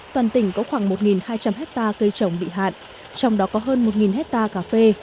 toàn tỉnh có khoảng một hai trăm linh hectare cây trồng bị hạn trong đó có hơn một hectare cà phê